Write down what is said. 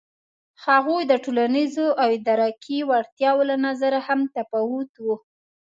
هغوی د ټولنیزو او ادراکي وړتیاوو له نظره هم متفاوت وو.